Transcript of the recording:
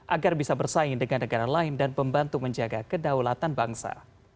agar bisa bersaing dengan negara lain dan membantu menjaga kedaulatan bangsa